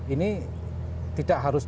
ini tidak harus